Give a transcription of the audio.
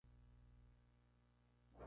Propias de los astrocitos.